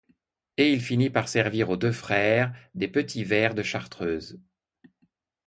Et il finit par servir aux deux frères des petits verres de chartreuse.